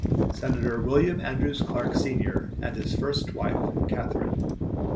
Senator William Andrews Clark Senior and his first wife, Katherine.